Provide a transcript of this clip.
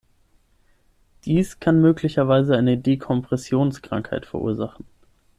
Dies kann möglicherweise eine Dekompressionskrankheit verursachen.